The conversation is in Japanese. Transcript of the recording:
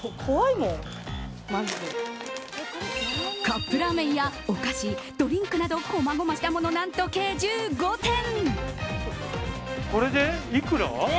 カップラーメンやお菓子ドリンクなどこまごましたもの何と計１５点。